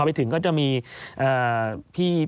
พอไปถึงก็จะมีพี่ที่เป็นพี่วินนะครับ